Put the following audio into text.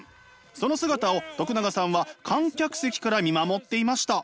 その姿を永さんは観客席から見守っていました。